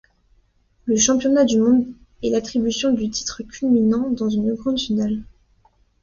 Le championnat du monde et l’attribution du titre culminant dans une grande finale.